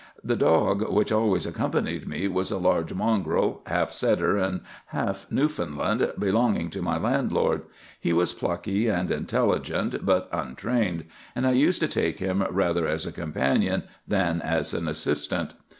The dog which always accompanied me was a large mongrel, half setter and half Newfoundland, belonging to my landlord. He was plucky and intelligent, but untrained; and I used to take him rather as a companion than as an assistant.